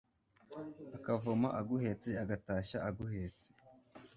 akavoma aguhetse, agatashya aguhetse